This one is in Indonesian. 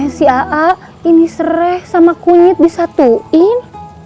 si aa ini serai sama kunyit disatuin